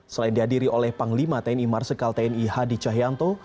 selain dihadiri oleh panglima tni marsikal tni hadi cahyanto